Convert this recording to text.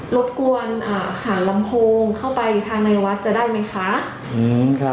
บกวนอ่าหาลำโพงเข้าไปทางในวัดจะได้ไหมคะ